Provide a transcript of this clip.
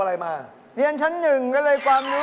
ในเรื่องให้ช่วย